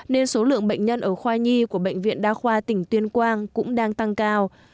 nên số lượng bệnh nhân ở khoa nhi của bệnh viện đa khoa tỉnh tuyên quang cũng đang tăng cao